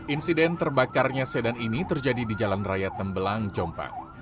insiden terbakarnya sedan ini terjadi di jalan raya tembelang jombang